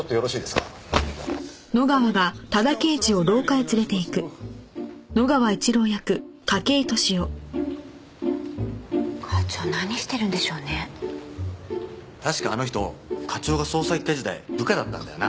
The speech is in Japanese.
確かあの人課長が捜査一課時代部下だったんだよな。